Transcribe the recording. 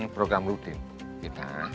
program rudin kita